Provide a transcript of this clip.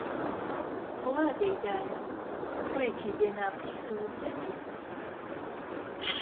خوڵا دەیدایە کوڕێکی بێ ناقیس ولەتیفە